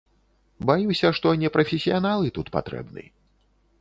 Баюся, што не прафесіяналы тут патрэбны.